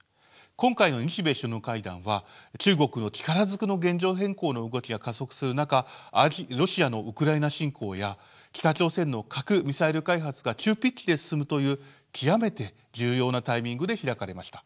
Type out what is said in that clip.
今回の日米首脳会談は中国の力ずくの現状変更の動きが加速する中ロシアのウクライナ侵攻や北朝鮮の核・ミサイル開発が急ピッチで進むという極めて重要なタイミングで開かれました。